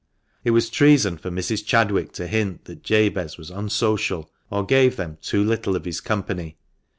It was treason for Mrs. Chadwick to hint that Jabez was " unsocial," or gave them " too little of his company."